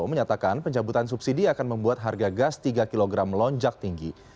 menyatakan pencabutan subsidi akan membuat harga gas tiga kg melonjak tinggi